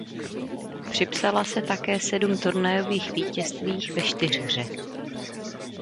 Připsala se také sedm turnajových vítězství ve čtyřhře.